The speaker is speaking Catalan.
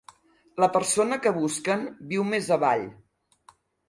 La persona que busquen viu més avall.